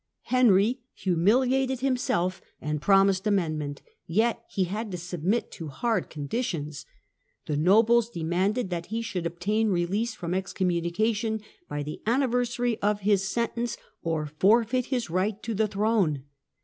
Henry humiliated himself and promised amendment, yet he had to submit to hard conditions. The nobles demanded that he should obtain release from excommunication by the anniversary of his sentence, or forfeit his right to the throne.